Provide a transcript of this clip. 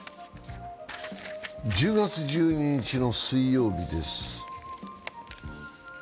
１０月１２日の水曜日です。